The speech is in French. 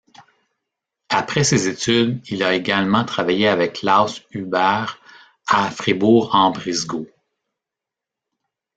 Après ses études, il a également travaillé avec Klaus Huber à Fribourg-en-Brisgau.